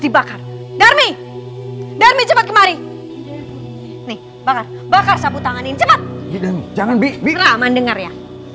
dibakar dari dari cepat kemari nih banget bakar sabu tangan ini cepet jangan bikraman denger ya